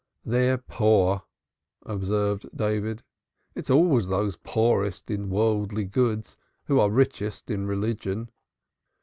"They're poor," observed David. "It's always those poorest in worldly goods who are richest in religion."